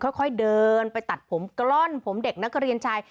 ค่อยเดินไปตัดผมกล้อนผมเด็กนักเรียนชาย